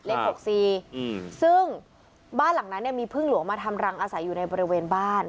หกสี่อืมซึ่งบ้านหลังนั้นเนี่ยมีพึ่งหลวงมาทำรังอาศัยอยู่ในบริเวณบ้าน